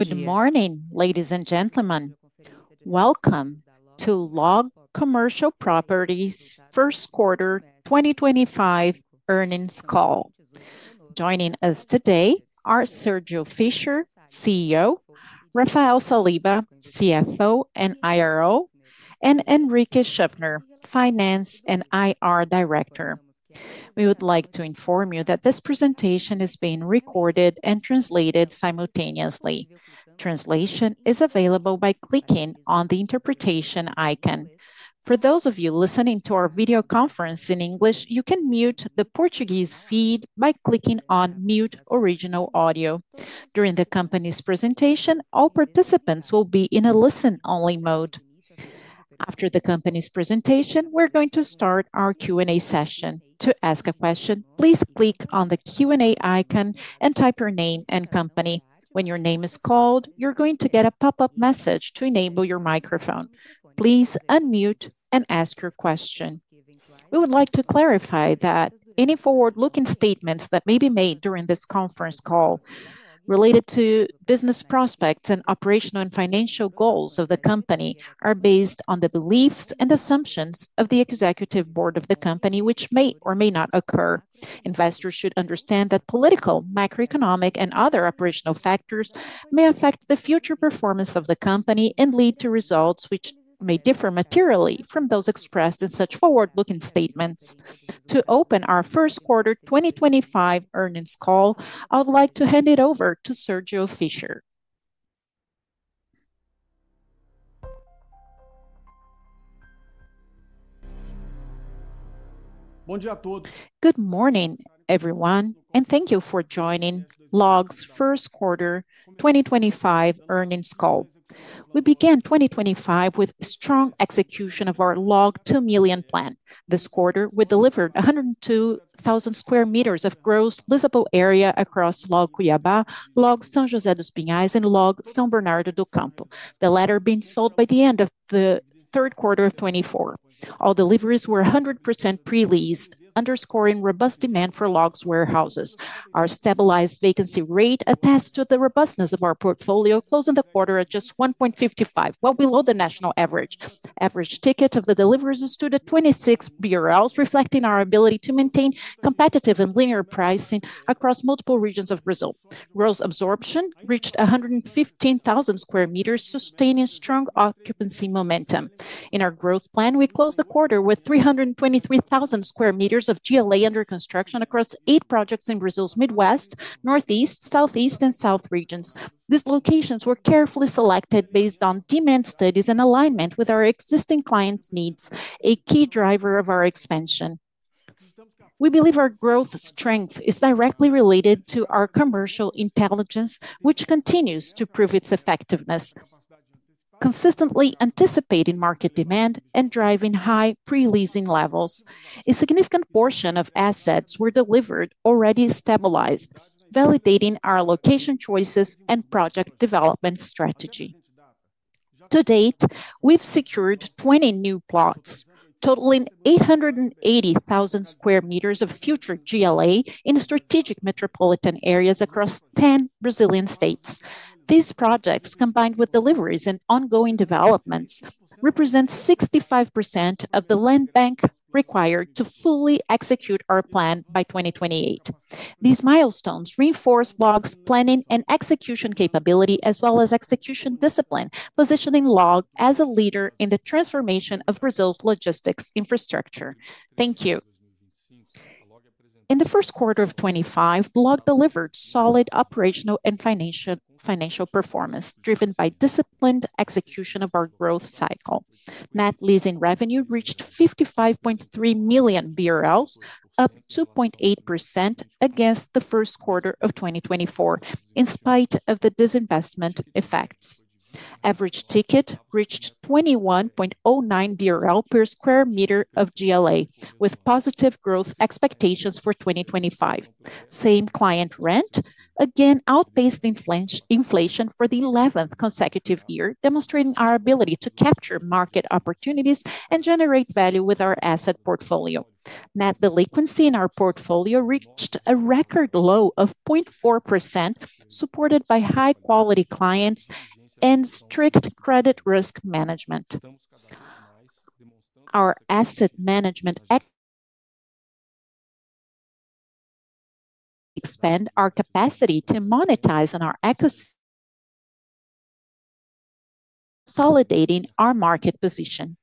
Good morning ladies and gentlemen. Welcome to LOG Commercial Properties first quarter 2025 earnings call. Joining us today are Sergio Fisher, CEO, Rafael Saliba, CFO and IRO, and Enrique Schofner, Finance and IR Director. We would like to inform you that this presentation is being recorded and translated simultaneously. Translation is available by clicking on the interpretation icon. For those of you listening to our video conference in English, you can mute the Portuguese feed by clicking on Mute Original Audio. During the company's presentation, all participants will be in a listen only mode. After the company's presentation, we're going to start our Q & A session. To ask a question, please click on the Q & A icon and type your name and company. When your name is called, you're going to get a pop up message. To enable your microphone, please unmute and ask your question. We would like to clarify that any forward looking statements that may be made during this conference call related to business prospects and operational and financial goals of the company are based on the beliefs and assumptions of the Executive Board of the Company which may or may not occur. Investors should understand that political, macroeconomic and other operational factors may affect the future performance of the Company and lead to results which may differ materially from those expressed in such forward looking statements. To open our first quarter 2025 earnings call, I would like to hand it over to Sergio Fisher. Good morning everyone and thank you for joining LOG's first quarter 2025 earnings call. We began 2025 with strong execution of our LOG2 million plan. This quarter we delivered 102,000 sq m of gross leasable area across LOG Cuiabá, LOG São José dos Pinhais, and LOG São Bernardo do Campo, the latter being sold by the end of 3rd Quarter 2024. All deliveries were 100% pre-leased, underscoring robust demand for LOG's warehouses. Our stabilized vacancy rate attests to the robustness of our portfolio, closed in the quarter at just 1.55%, well below the national average. Average ticket of the deliveries stood at 26 BRL, reflecting our ability to maintain competitive and linear pricing across multiple regions of Brazil. Gross absorption reached 115,000 sq m, sustaining strong occupancy momentum in our growth plan. We closed the quarter with 323,000 sq m of GLA under construction across eight projects in Brazil's Midwest, Northeast, Southeast, and South regions. These locations were carefully selected based on demand studies and alignment with our existing clients' needs, a key driver of our expansion. We believe our growth strength is directly related to our commercial intelligence, which continues to prove its effectiveness, consistently anticipating market demand and driving high pre-leasing levels. A significant portion of assets were delivered already stabilized, validating our location choices and project development strategy. To date, we've secured 20 new plots totaling 880,000 sq m of future GLA in strategic metropolitan areas across 10 Brazilian states. These projects, combined with deliveries and ongoing developments, represent 65% of the land bank required to fully execute our plan by 2028. These milestones reinforce LOG's planning and execution capability as well as execution discipline, positioning LOG as a leader in the transformation of Brazil's logistics infrastructure. Thank you. In the 1Q25, LOG delivered solid operational and financial performance driven by disciplined execution of our growth cycle. Net leasing revenue reached 55.3 million BRL, up 2.8% against the first quarter of 2024. In spite of the disinvestment effects, average ticket reached 21.09 BRL per sq m of GLA with positive growth expectations for 2025. Same client rent same again outpaced inflation for the 11th consecutive year, demonstrating our ability to capture market opportunities and generate value with our asset portfolio. Net delinquency in our portfolio reached a record low of 0.4%. Supported by high quality clients and strict credit risk management, our asset management expanded our capacity to monetize on our ecosystem, consolidating our market position.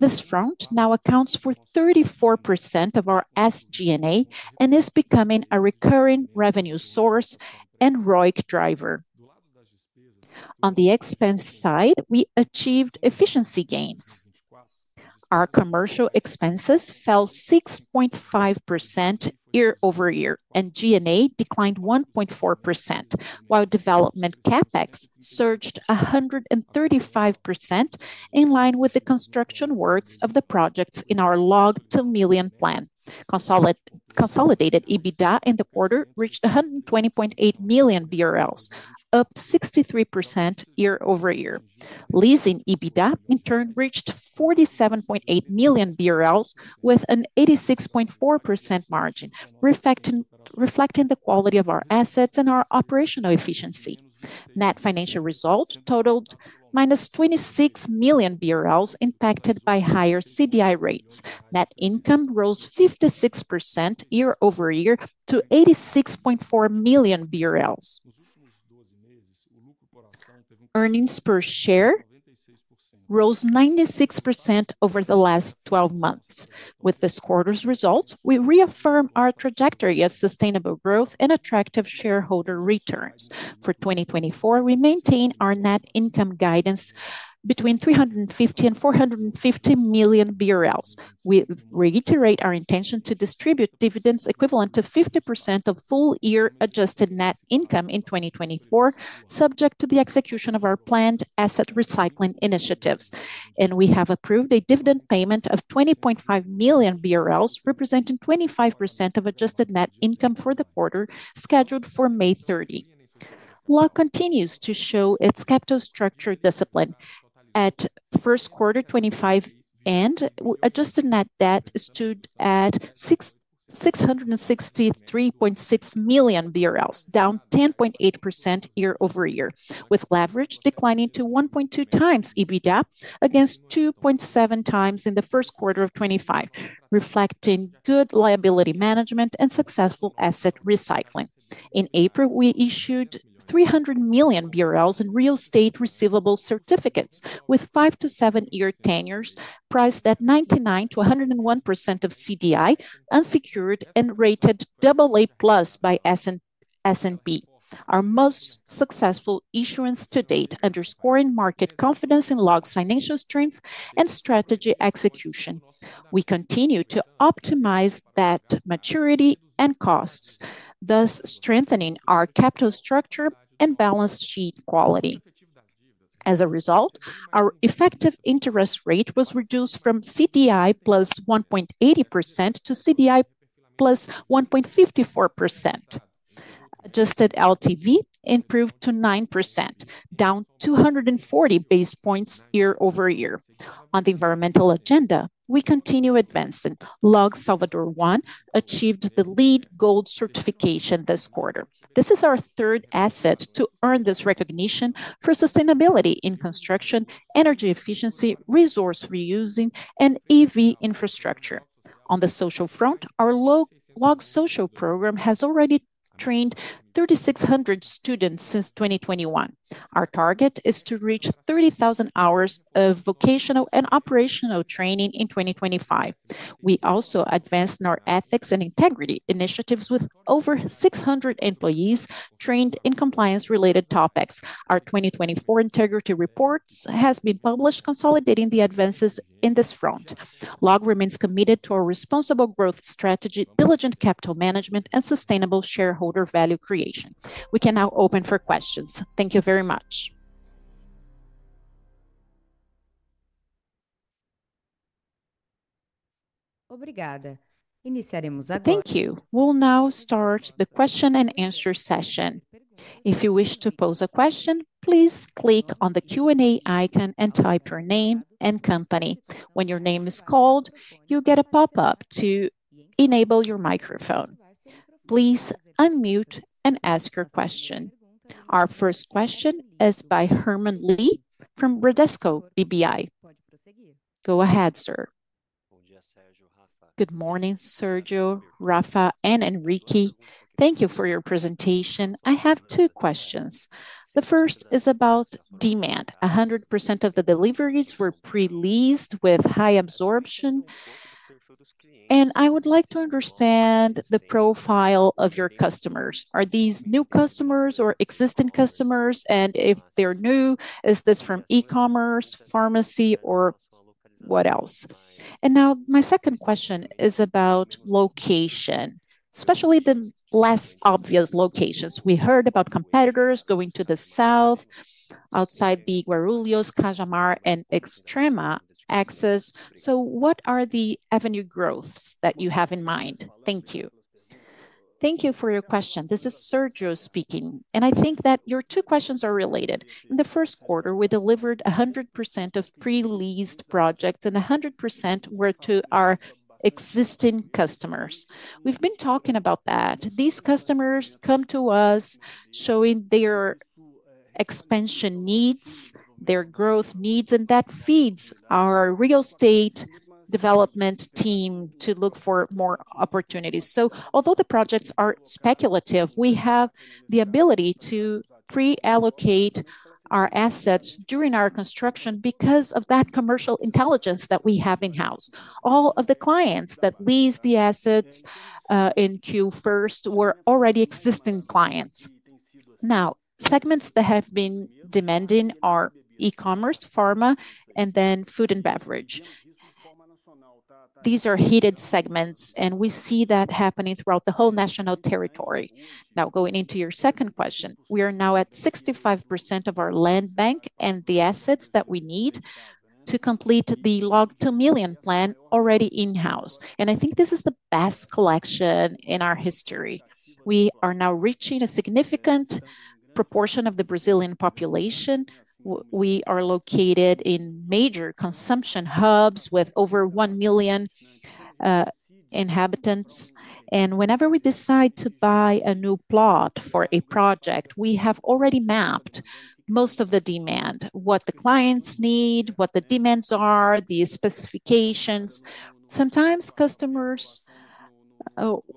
This front now accounts for 34% of our SGA and is becoming a recurring revenue source and ROIC driver. On the expense side, we achieved efficiency gains. Our commercial expenses fell 6.5% year over year and GNA declined 1.4% while development capex surged 135% in line with the construction works of the projects in our LOG 2 Million plan. Consolidated EBITDA in the quarter reached 120.8 million BRL, up 63% year over year. Leasing EBITDA in turn reached 47.8 million BRL with an 86.4% margin, reflecting the quality of our assets and our operational efficiency. Net financial result totaled -26 million BRL, impacted by higher CDI rates. Net income rose 56% year over year to 86.4 million BRL. Earnings per share rose 96% over the last 12 months. With this quarter's results, we reaffirm our trajectory of sustainable growth and attractive shareholder returns for 2024. We maintain our net income guidance between 350 million and 450 million BRL. We reiterate our intention to distribute dividends equivalent to 50% of full year adjusted net income in 2024. Subject execution of our planned asset recycling initiatives and we have approved a dividend payment of 20.5 million BRL representing 25% of adjusted net income for the quarter scheduled for May 30. LOG continues to show its capital structure discipline. At first quarter 2025 end, adjusted net debt stood at 663.6 million BRL, down 10.8% year over year with leverage declining to 1.2 times EBITDA against 2.7 times in 1Q25, reflecting good liability management and successful asset recycling. In April we issued 300 million BRL in real estate receivable certificates with five- to seven-year tenures priced at 99-101% of CDI, unsecured and rated AA by S&P. Our most successful issuance to date. Underscoring market confidence in LOG's financial strength and strategy execution, we continue to optimize debt maturity and costs, thus strengthening our capital structure and balance sheet quality. As a result, our effective interest rate was reduced from CDI plus 1.80% to CDI plus 1.54%. Adjusted LTV improved to 9%, down 240 basis points year over year. On the environmental agenda, we continue advancing LOG. Salvador 1 achieved the LEED Gold certification this quarter. This is our third asset to earn this recognition for sustainability in construction, energy efficiency, resource reusing, and EV infrastructure. On the social front, our LOG Social program has already trained 3,600 students since 2021. Our target is to reach 30,000 hours of vocational and operational training in 2025. We also advanced our ethics and integrity initiatives with over 600 employees trained in compliance related topics. Our 2024 integrity report has been published, consolidating the advances. In this front, LOG remains committed to our responsible growth strategy, diligent capital management, and sustainable shareholder value creation. We can now open for questions. Thank you very much. Thank you. We'll now start the question and answer session. If you wish to pose a question, please click on the Q and A icon and type your name and company. When your name is called, you get a pop up to enable your microphone. Please unmute and ask your question. Our first question is by Herman Lee from Bradesco BBI. Go ahead sir. Good morning Sergio, Rafa and Enrique. Thank you for your presentation. I have two questions. The first is about demand. 100% of the deliveries were pre-leased with high absorption and I would like to understand the profile of your customers. Are these new customers or existing customers? If they're new, is this from e-commerce, pharmacy or what else. My second question is about location, especially the less obvious locations. We heard about competitors going to the south, outside the Guarulhos, Cajamar and Extrema access. What are the avenue growths that you have in mind? Thank you. Thank you for your question. This is Sergio speaking and I think that your two questions are related. In the first quarter we delivered 100% of pre-leased projects and 100% were to our existing customers. We've been talking about that. These customers come to us showing their expansion needs, their growth needs, and that feeds our real estate development team to look for more opportunities. Although the projects are speculative, we have the ability to pre-allocate our assets during our construction because of that commercial intelligence that we have in house. All of the clients that lease the assets in Q1 were already existing clients. Now segments that have been demanding are E Commerce, Pharma, and then Food and Beverage. These are heated segments and we see that happening throughout the whole national territory. Now going into your second question, we are now at 65% of our land bank and the assets that we need to complete the LOG 2 million plan already in house. I think this is the best collection in our history. We are now reaching a significant proportion of the Brazilian population. We are located in major consumption hubs with over 1 million inhabitants. Whenever we decide to buy a new plot for a project, we have already mapped most of the demand. What the clients need, what the demands are, the specifications. Sometimes customers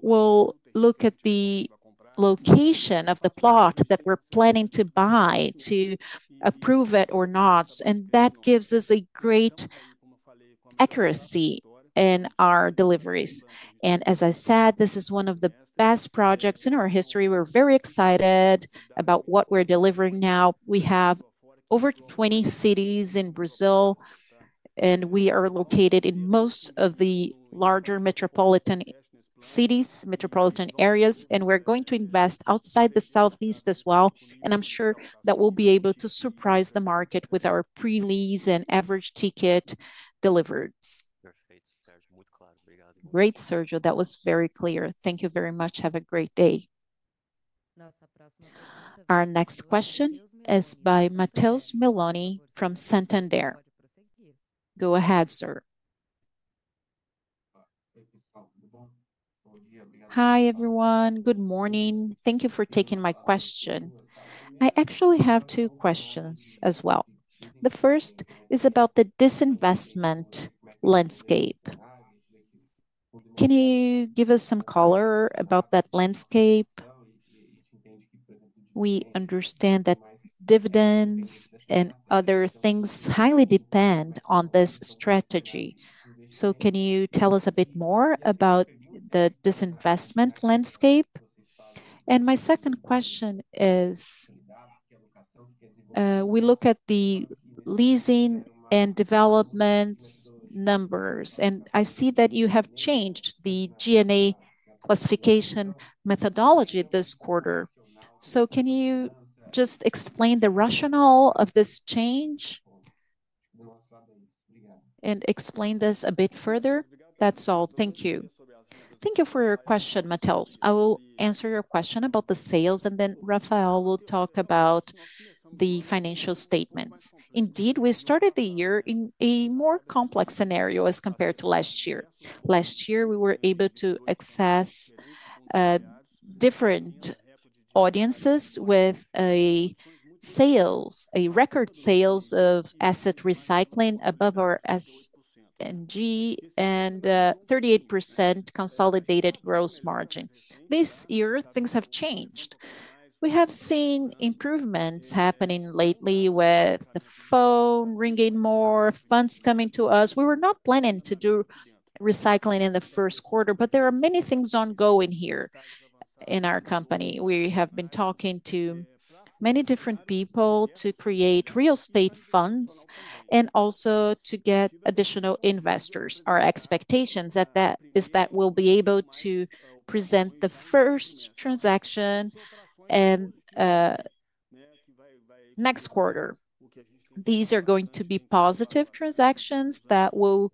will look at the location of the plot that we're planning to buy, to approve it or not. That gives us a great accuracy in our deliveries. As I said, this is one of the best projects in our history. We're very excited about what we're delivering now. We have over 20 cities in Brazil and we are located in most of the larger metropolitan cities, metropolitan areas. We're going to invest outside the southeast as well. I'm sure that we'll be able to surprise the market with our pre lease and average ticket delivered. Great, Sergio, that was very clear. Thank you very much. Have a great day. Our next question is by Matheus Meloni from Santander. Go ahead, sir. Hi everyone. Good morning. Thank you for taking my question. I actually have two questions as well. The first is about the disinvestment landscape. Can you give us some color about that landscape? We understand that dividends and other things highly depend on this strategy. Can you tell us a bit more about the disinvestment landscape? My second question is we look at the leasing and development numbers. I see that you have changed the GNA classification methodology this quarter. Can you just explain the rationale of this change and explain this a bit further? That's all. Thank you. Thank you for your question, Matheus. I will answer your question about the sales and then Rafael will talk about the financial statements. Indeed, we started the year in a more complex scenario as compared to last year. Last year we were able to access different audiences with a sales, a record sales of asset recycling above our SGA and 38% consolidated gross margin. This year things have changed. We have seen improvements happening lately with the phone ringing, more funds coming to us. We were not planning to do recycling in the first quarter, but there are many things ongoing here in our company. We have been talking to many different people to create real estate funds and also to get additional investors. Our expectation is that we'll be able to present the first transaction next quarter. These are going to be positive transactions that will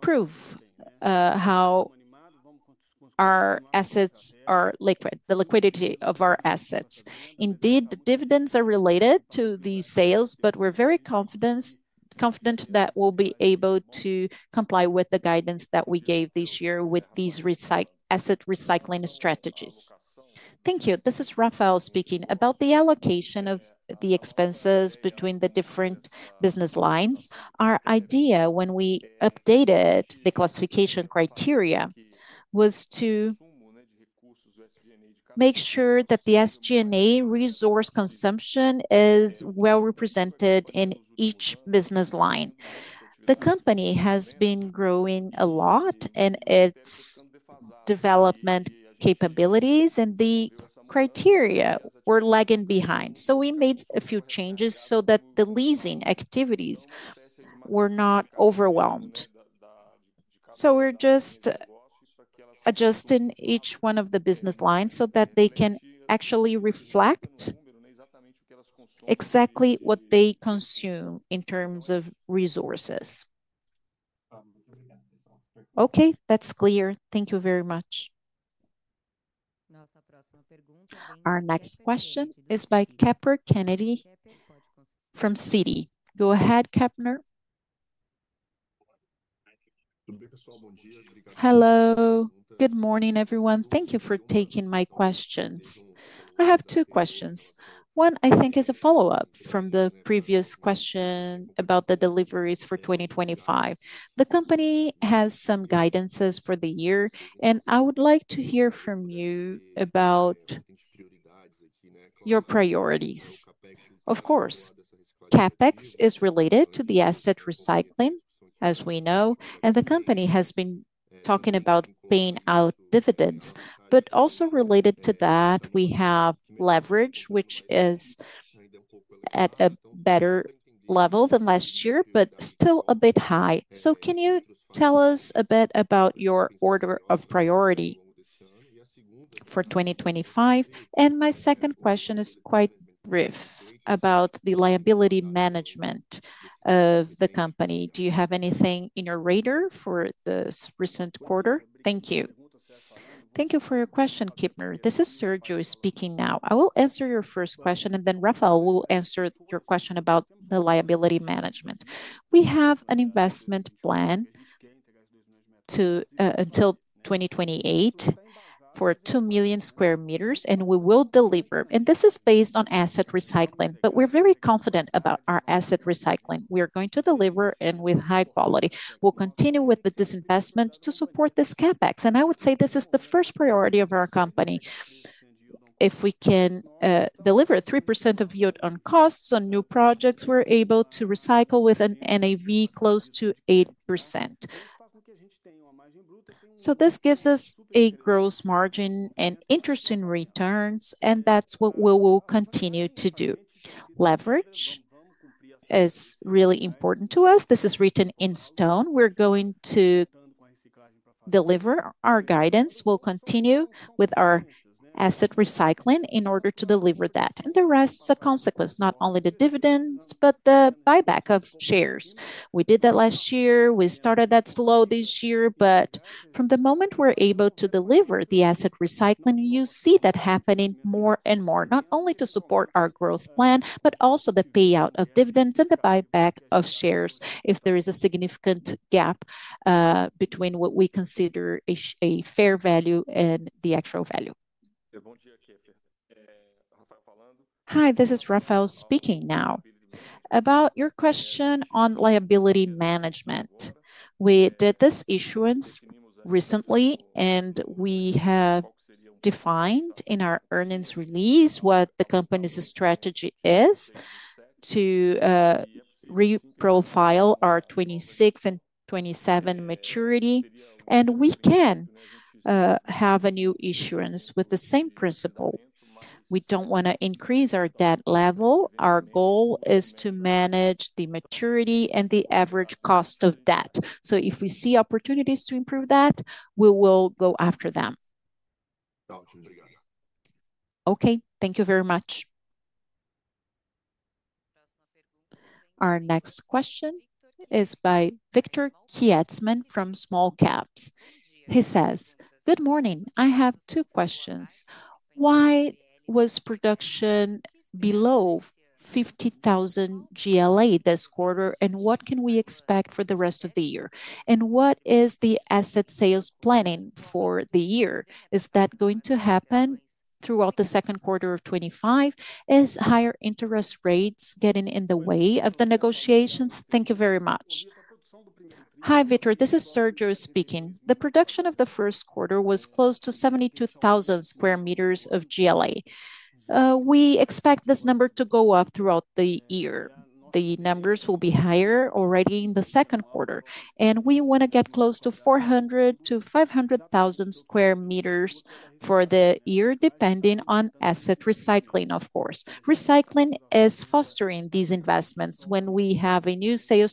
prove how our assets are liquid, the liquidity of our assets, indeed the dividends are related to these sales. We are very confident that we'll be able to comply with the guidance that we gave this year with these asset recycling strategies. Thank you. This is Rafael speaking about the allocation of the expenses between the different business lines. Our idea when we updated the classification criteria was to make sure that the SGA resource consumption is well represented in each business line. The company has been growing a lot and its development capabilities and the criteria were lagging behind. We made a few changes so that the leasing activities were not overwhelmed. We are just adjusting each one of the business lines so that they can actually reflect exactly what they consume in terms of resources. Okay, that's clear. Thank you very much. Our next question is by Kiepher Kennedy from Citi. Go ahead, Kiepher. Hello, good morning everyone. Thank you for taking my questions. I have two questions. One I think is a follow up from the previous question about the deliveries for 2025. The company has some guidances for the year and I would like to hear from you about your priorities. Of course, CapEx is related to the asset recycling as we know. The company has been talking about paying out dividends. Also related to that, we have leverage which is at a better level than last year, but still a bit high. Can you tell us a bit about your order of priority for 2025? My second question is quite brief about the liability management of the company. Do you have anything in your radar for this recent quarter? Thank you. Thank you for your question, Kepper. This is Sergio speaking. I will answer your first question and then Rafael will answer your question about the liability management. We have an investment plan until 2028 for 2 million sq m and we will deliver. This is based on asset recycling. We are very confident about our asset recycling. We are going to deliver and with high quality. We'll continue with the disinvestment to support this CapEx. I would say this is the first priority of our company. If we can deliver 3% of yield on costs on new projects, we're able to recycle with a NAV close to 8%. This gives us a gross margin and interest in returns. That's what we will continue to do. Leverage is really important to us. This is written in stone. We're going to deliver our guidance. We'll continue with our asset recycling in order to deliver that. The rest is a consequence, not only the dividends, but the buyback of shares. We did that last year, we started that slow this year. From the moment we're able to deliver the asset recycling, you see that happening more and more, not only to support our growth plan, but also the payout of dividends and the buyback of shares if there is a significant gap between what we consider a fair value and the actual value. Hi, this is Rafael speaking. Now about your question on liability management. We did this issuance recently and we have defined in our earnings release what the company's strategy is to reprofile our 2026 and 2027 maturity and we can have a new issuance with the same principle. We don't want to increase our debt level. Our goal is to manage the maturity and the average cost of debt. If we see opportunities to improve that, we will go after them. Thank you very much. Our next question is by Victor Kietzmann from Small Caps. He says. Good morning. I have two questions. Why was production below 50,000 GLA this quarter? What can we expect for the rest of the year? What is the asset sales planning for the year? Is that going to happen throughout 2Q 2025 as higher interest rates getting in the way of the negotiations? Thank you very much. Hi, Vitor, this is Sergio speaking. The production of the first quarter was close to 72,000 sq m of GLA. We expect this number to go up throughout the year. The numbers will be higher already in the second quarter and we want to get close to 400,000-500,000 sq m for the year, depending on asset recycling, of course. Recycling is fostering these investments. When we have a new sales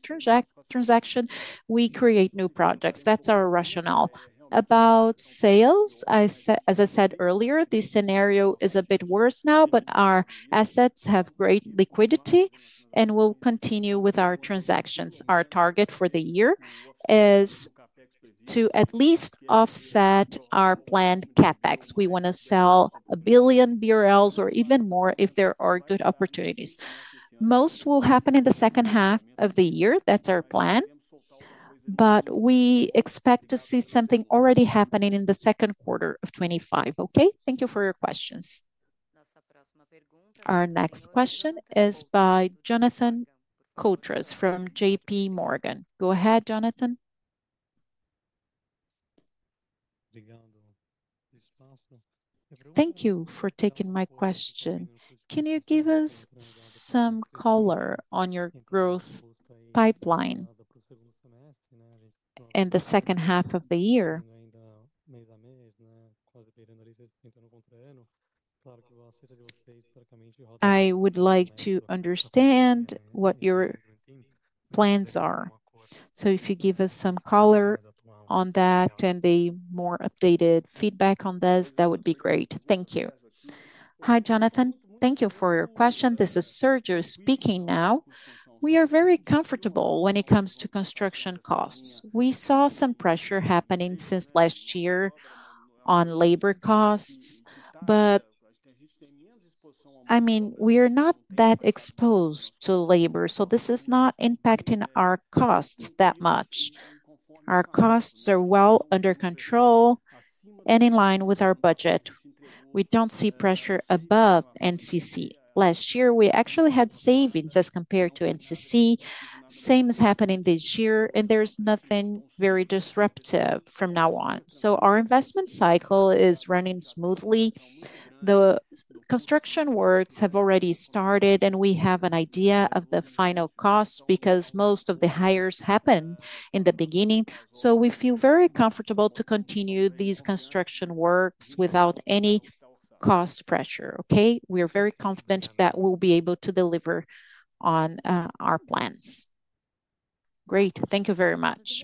transaction, we create new projects. That is our rationale about sales. As I said earlier, this scenario is a bit worse now, but our assets have great liquidity and we'll continue with our transactions. Our target for the year is to at least offset our planned CapEx. We want to sell 1 billion BRL or even more if there are good opportunities. Most will happen in the second half of the year. That is our plan. We expect to see something already happening in 2Q 2025. Okay, thank you for your questions. Our next question is by Jonathan from J.P. Morgan. Go ahead, Jonathan. Thank you for taking my question. Can you give us some color on your growth pipeline in the second half of the year? I would like to understand what your plans are. If you give us some color on that and a more updated feedback on this, that would be great. Thank you. Hi Jonathan. Thank you for your question. This is Sergio speaking. Now, we are very comfortable when it comes to construction costs. We saw some pressure happening since last year on labor costs, but I mean, we are not that exposed to labor. This is not impacting our costs that much. Our costs are well under control and in line with our budget. We do not see pressure above NCC. Last year we actually had savings as compared to NCC. Same is happening this year and there is nothing very disruptive from now on. Our investment cycle is running smoothly. The construction works have already started and we have an idea of the final costs because most of the hires happen in the beginning. We feel very comfortable to continue these construction works without any cost pressure. We are very confident that we will be able to deliver on our plans. Great. Thank you very much.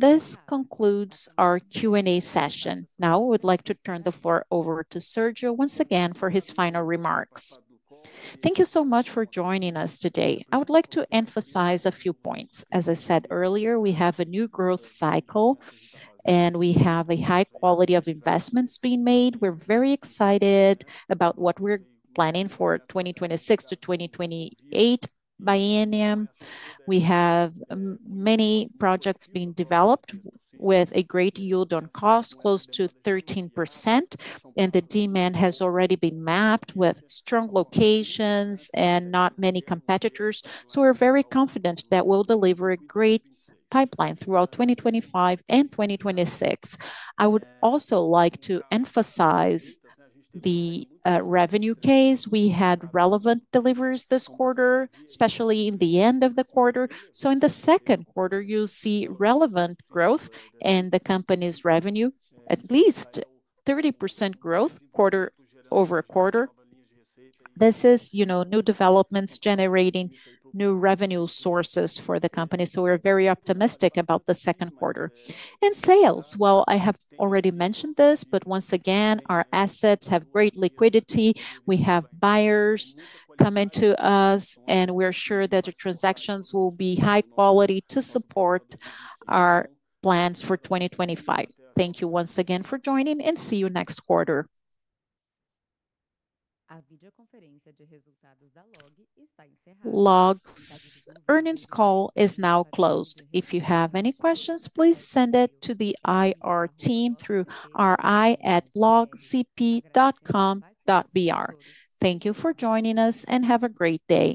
This concludes our Q & A session. Now I would like to turn the floor over to Sergio once again for his final remarks. Thank you so much for joining us today. I would like to emphasize a few points. As I said earlier, we have a new growth cycle and we have a high quality of investments being made. We're very excited about what we're doing. Planning for 2026-2028 biennium. We have many projects being developed with a great yield on cost, close to 13%. And the demand has already been mapped with strong locations and not many competitors. We are very confident that we'll deliver a great pipeline throughout 2025 and 2026. I would also like to emphasize the revenue case. We had relevant deliveries this quarter, especially in the end of the quarter. In the second quarter you see relevant growth and the company's revenue at least 30% growth quarter over quarter. This is, you know, new developments generating new revenue sources for the company. We are very optimistic about the second quarter and sales. I have already mentioned this, but once again, our assets have great liquidity. We have buyers coming to us and we are sure that the transactions will be high quality to support our plans for 2025. Thank you once again for joining and see you next quarter. LOG earnings call is now closed. If you have any questions, please send it to the IR team through ri cp.com br. Thank you for joining us and have a great day.